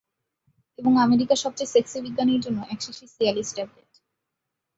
এবং, আমেরিকার সবচেয়ে সেক্সি বিজ্ঞানীর জন্য এক শিশি সিয়ালিস ট্যাবলেট!